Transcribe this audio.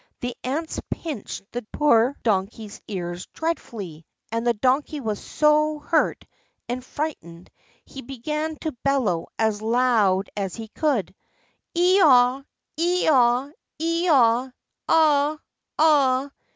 The ants pinched the poor Donkey's ears dreadfully, and the Donkey was so hurt and frightened he began to bellow as loud as he could: "Eh augh! eh augh! eh augh! augh! augh!"